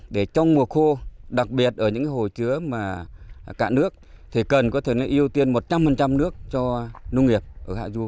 để trong mùa khô đặc biệt ở những hồ chứa cạn nước thì cần có thể ưu tiên một trăm linh nước cho nông nghiệp ở hải dâu